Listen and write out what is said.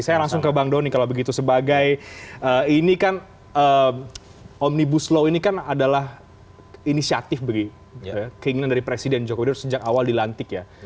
saya langsung ke bang doni kalau begitu sebagai ini kan omnibus law ini kan adalah inisiatif bagi keinginan dari presiden joko widodo sejak awal dilantik ya